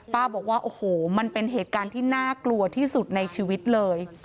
บอกว่าโอ้โหมันเป็นเหตุการณ์ที่น่ากลัวที่สุดในชีวิตเลย